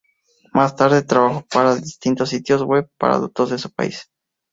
Más tarde trabajó para distintos sitios web para adultos de su país.